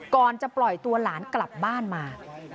ก่อนจะปล่อยตัวหลานกลับบ้านมา